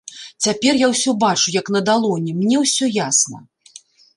Цяпер я ўсё бачу як на далоні, мне ўсё ясна.